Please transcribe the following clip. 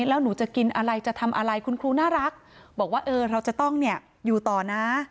แล้วหนูจะกินอะไรจะทำอะไรคุณครูน่ารักบอกว่าเออเราจะต้องเนี่ยอยู่ต่อนะ